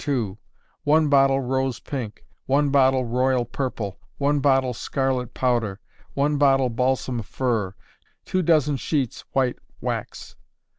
2; 1 bottle rose pink, 1 bottle royal purple, 1 bottle scarlet powder, 1 bottle balsam fir, 2 dozen sheets white wax.